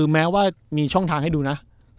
แม้ว่ามีช่องทางให้ดูนะ